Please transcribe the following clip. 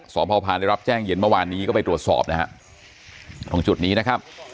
สพพานได้รับแจ้งเย็นเมื่อวานนี้ก็ไปตรวจสอบนะฮะตรงจุดนี้นะครับ